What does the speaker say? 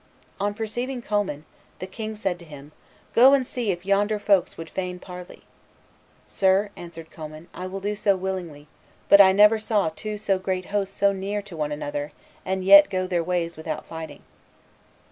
On perceiving Commynes, the king said to him, "Go and see if yonder folks would fain parley." "Sir," answered Commynes, "I will do so willingly; but I never saw two so great hosts so near to one another, and yet go their ways without fighting."